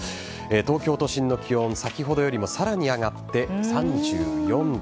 東京都心の気温先ほどよりもさらに上がって３４度。